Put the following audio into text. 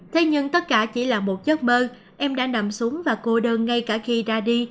thế nhưng tất cả chỉ là một giấc mơ em đã nằm súng và cô đơn ngay cả khi ra đi